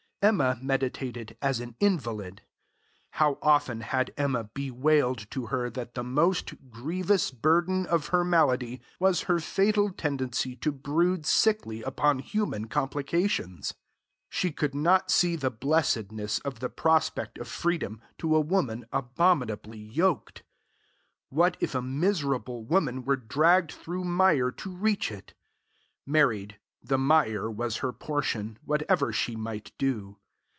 Emma meditated as an invalid. How often had Emma bewailed to her that the most, grievous burden of her malady was her fatal tendency to brood sickly upon human complications! She could not see the blessedness of the prospect of freedom to a woman abominably yoked. What if a miserable woman were dragged through mire to reach it! Married, the mire was her portion, whatever she might do.